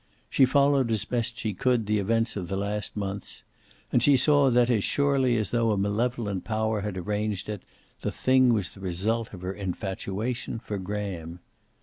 She followed as best she could the events of the last months, and she saw that, as surely as though a malevolent power had arranged it, the thing was the result of her infatuation for Graham.